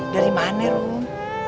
dari mana ruh